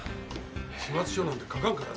始末書なんて書かんからな。